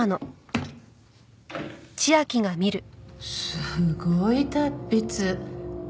すごい達筆！